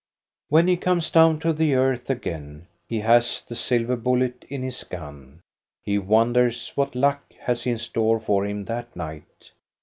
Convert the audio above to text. When he comes down to the earth again, he has the silver bullet in his gun. He wonders what luck has in store for him that night.